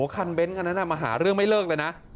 คันเบ้นคันนั้นมาหาเรื่องไม่เลิกเลยนะ